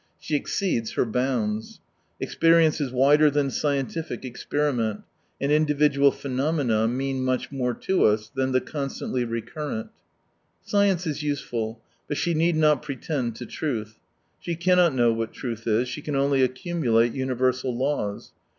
She exceeds her bounds. Experience is wider than scientific experiment, and individual phenomena mean much more to us than the constantly recurrent. Science is useful— but she need not pretend to truth. She cannot know what truth is, she can only accumulate universal laws.